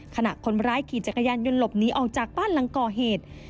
ขณะคนร้ายขี่จักรยานยนต์หลบหนีออกจากบ้านหลังก่อเหตุ